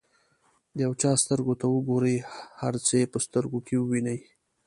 د یو چا سترګو ته وګورئ هر څه یې په سترګو کې ووینئ.